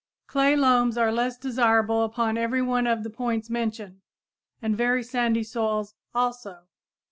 Clay loams are less desirable upon every one of the points mentioned, and very sandy soils also.